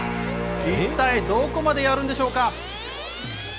一体どこまでやるんでしょうか。